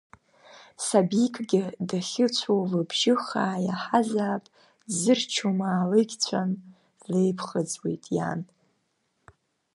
Сабикгьы дахьыцәоу лыбжьы хаа иаҳазаап, дзырччо маалықьцәам, длеиԥхыӡуеит иан…